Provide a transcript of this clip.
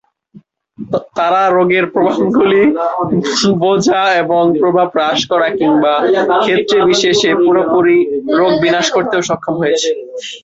তারা রোগের প্রভাবগুলি বোঝা এবং প্রভাব হ্রাস করা কিংবা ক্ষেত্রে বিশেষে পুরোপুরি রোগ বিনাশ করতেও সক্ষম হয়েছে।